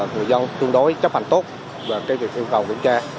người dân tương đối chấp hành tốt về việc yêu cầu kiểm tra